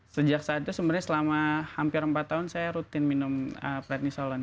sejak saat itu sebenarnya selama hampir empat tahun saya rutin minum plat nisolen